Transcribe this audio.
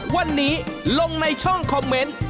วันนี้ลงในช่องคอมเมนต์